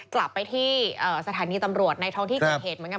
กลับไปที่สถานีตำรวจในท้องที่เกิดเหตุเหมือนกัน